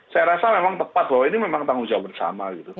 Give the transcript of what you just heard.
saya rasa memang tepat bahwa ini memang tanggung jawab bersama gitu